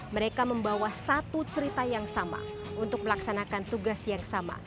mereka membawa satu cerita yang sama untuk melaksanakan tugas yang sama